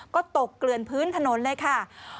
ก็ตกเกลือนพื้นถนนเลยค่ะ